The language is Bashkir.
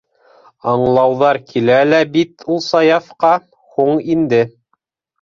Аңлауҙар килә лә бит ул Саяфҡа - һуң инде.